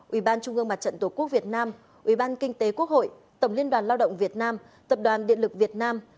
ubnd tổ quốc việt nam ubnd kinh tế quốc hội tổng liên đoàn lao động việt nam tập đoàn điện lực việt nam